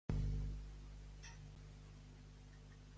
I amb quin objecte pot matar immediatament a qualsevol ésser humà?